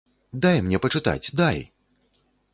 Дай мне пачытаць, дай!